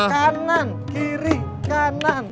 kanan kiri kanan